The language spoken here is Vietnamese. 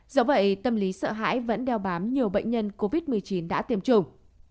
dẫu vậy tâm lý sợ hãi vẫn đeo bám nhiều bệnh nhân covid một mươi chín đã tiêm chủng